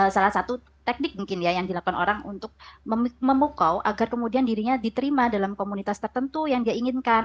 salah satu teknik mungkin ya yang dilakukan orang untuk memukau agar kemudian dirinya diterima dalam komunitas tertentu yang dia inginkan